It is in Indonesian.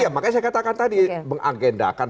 ya makanya saya katakan tadi mengagendakan